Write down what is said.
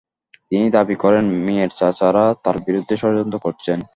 তিনি দাবি করেন, মেয়ের চাচারা তাঁর বিরুদ্ধে ষড়যন্ত্র করছেন।